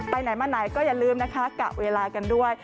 ไหนมาไหนก็อย่าลืมนะคะกะเวลากันด้วย